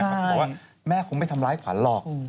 บอกว่าแม่คงไม่ทำร้ายขวัญหรอก